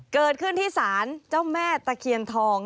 เกิดขึ้นที่ศาลเจ้าแม่ตะเคียนทอง